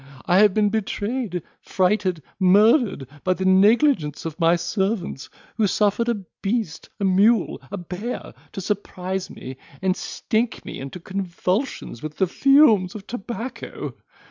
I have been betrayed, frighted, murdered, by the negligence of my servants, who suffered a beast, a mule, a bear, to surprise me, and stink me into convulsions with the fumes of tobacco."